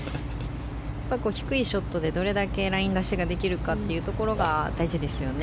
低いショットでどれだけライン出しが出せるかどうかが大事ですよね。